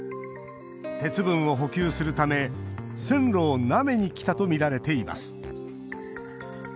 鉄分を補給するため線路をなめにきたとみられています。